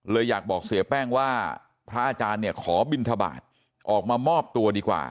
อยากบอกเสียแป้งว่าพระอาจารย์เนี่ยขอบินทบาทออกมามอบตัวดีกว่า